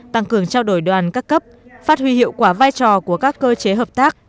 tăng cường trao đổi đoàn các cấp phát huy hiệu quả vai trò của các cơ chế hợp tác